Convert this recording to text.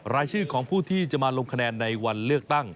รายชื่อของผู้ที่จะมาลงคะแนนในวันเลือกตั้ง